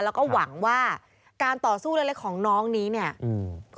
แล้วก็หวังว่าการต่อสู้เล็กเล็กของน้องนี้เนี่ยอืม